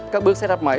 các bước setup máy